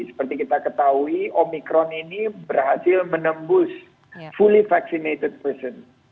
seperti kita ketahui omikron ini berhasil menembus fully vaccinated fashion